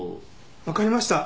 わかりました。